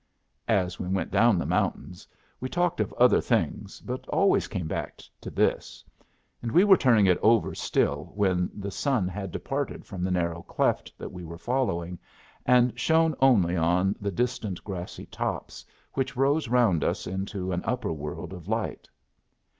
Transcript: As we went down the mountains, we talked of other things, but always came back to this; and we were turning it over still when the sun had departed from the narrow cleft that we were following, and shone only on the distant grassy tops which rose round us into an upper world of light.